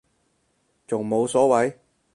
仲冇所謂